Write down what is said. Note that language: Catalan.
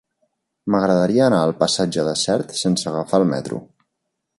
M'agradaria anar al passatge de Sert sense agafar el metro.